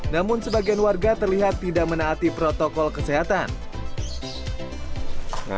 namun sebagian warga terlihat tidak menaati protokol kesehatan